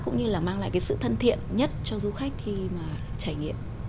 cũng như là mang lại cái sự thân thiện nhất cho du khách khi mà trải nghiệm